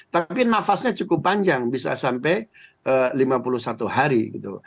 tapi nafasnya cukup panjang bisa sampai lima puluh satu hari gitu